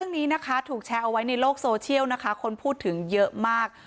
เรื่องนี้นะคะถูกแชร์เอาไว้ในโลกโซเชียลนะคะคนพูดถึงเยอะมาก